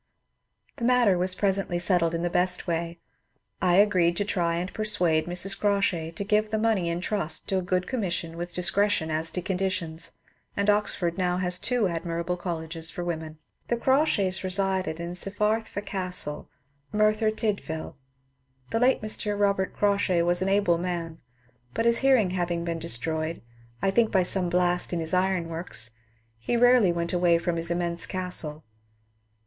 ^ The matter was presently settled in the best way ; I agreed to try and persuade Mrs. Crawshay to give the money in trust to a good commission with discretion as to conditions, and Oxford now has two admirable colleges for women. The Crawshays resided in Cyfarthfa Castle, Merthyr Tyd vil. The late Mr. Robert Crawshay was an able man, but his hearing having been destroyed, I think by some blast in his iron works, he rarely went away from his immense castle.